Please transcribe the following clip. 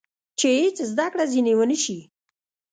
چې هېڅ زده کړه ځینې ونه شي.